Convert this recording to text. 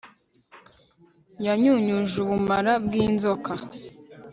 yanyunyuje ubumara bw'inzoka